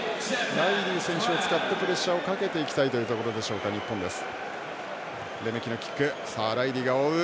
ライリー選手を使ってプレッシャーをかけていきたいというところでしょうか日本です。